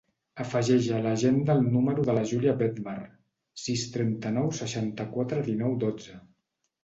Afegeix a l'agenda el número de la Júlia Bedmar: sis, trenta-nou, seixanta-quatre, dinou, dotze.